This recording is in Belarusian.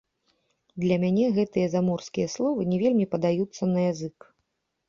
Для мяне гэтыя заморскія словы не вельмі падаюцца на язык.